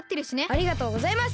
ありがとうございます！